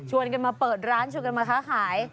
กันมาเปิดร้านชวนกันมาค้าขาย